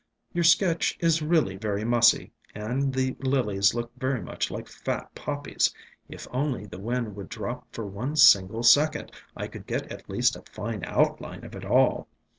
"Your sketch is really very mussy, and the Lilies look very much like fat Poppies. If only the wind would drop for one single second I could get at least a fine outline of it all.